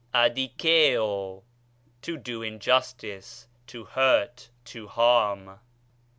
ἀδικέω, to do injustice, to hurt, to harm.